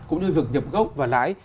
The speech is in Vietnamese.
cũng như việc nhập gốc và lãi